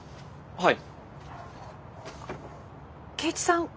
はい。